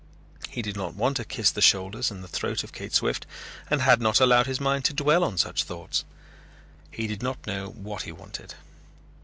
He did not want to kiss the shoulders and the throat of Kate Swift and had not allowed his mind to dwell on such thoughts. He did not know what he wanted.